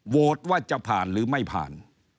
ว่าจะผ่านหรือไม่ผ่าน